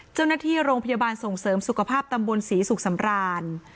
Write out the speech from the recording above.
เจ้าหน้าที่โรงพยาบาลส่งเสริมสุขภาพตำบลศรีสุขสำราน